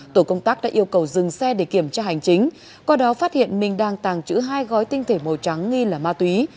tổ công tác đã yêu cầu dừng xe để kiểm tra hành chính qua đó phát hiện minh đang tàng trữ hai gói tinh thể màu trắng nghi là ma túy